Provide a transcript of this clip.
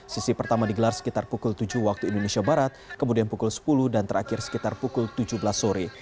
sesi pertama digelar sekitar pukul tujuh waktu indonesia barat kemudian pukul sepuluh dan terakhir sekitar pukul tujuh belas sore